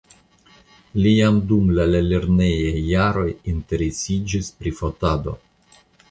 Li jam dum la lernejaj jaroj interesiĝis pri fotado.